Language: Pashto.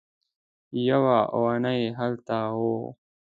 يوه اوونۍ هلته وه.